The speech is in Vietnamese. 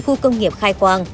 khu công nghiệp khai quang